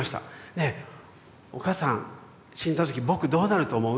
「ねえお母さん死んだ時僕どうなると思う？」って言ったんです。